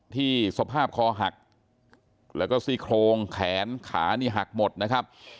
ที่สภาพคอหักแล้วก็ซี่โครงแขนขานี่หักหมดนะครับ